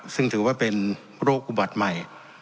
ซึ่งถือว่าเป็นโรคอุบัติใหม่